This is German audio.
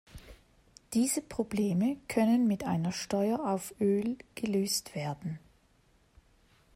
Diese Probleme können mit einer Steuer auf Öl gelöst werden.